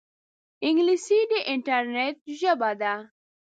انګلیسي د انټرنیټ ژبه ده